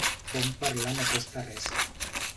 Bon parlar no costa res.